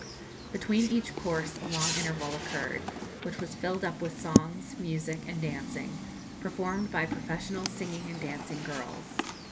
Between each course a long interval occurred, which was filled up with songs, music, and dancing, performed by professional singing and dancing girls.